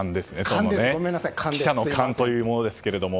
記者の勘というものですけども。